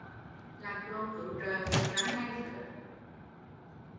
Lãnh đồ cứu trợ, được răng hay rứa